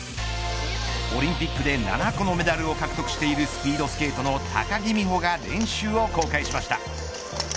オリンピックで７個のメダルを獲得しているスピードスケートの高木美帆が練習を公開しました。